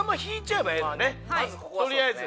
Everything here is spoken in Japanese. とりあえず。